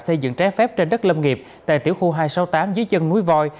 xây dựng trái phép trên đất lâm nghiệp tại tiểu khu hai trăm sáu mươi tám dưới chân núi voi